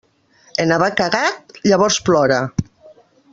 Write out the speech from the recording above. En haver cagat, llavors plora.